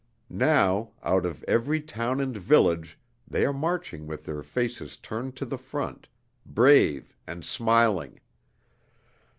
Now, out of every town and village they are marching with their faces turned to the front, brave and smiling.